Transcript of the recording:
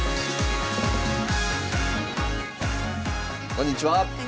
こんにちは。